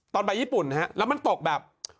ตอนไปญี่ปุ่นนะฮะแล้วมันตกแบบ